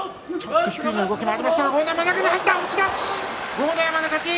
豪ノ山の勝ち。